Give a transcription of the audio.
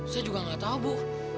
saya juga gak tau bu